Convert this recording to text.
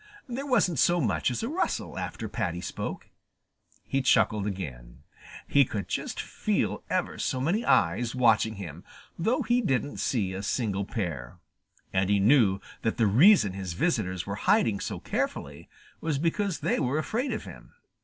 There wasn't so much as a rustle after Paddy spoke. He chuckled again. He could just feel ever so many eyes watching him, though he didn't see a single pair. And he knew that the reason his visitors were hiding so carefully was because they were afraid of him.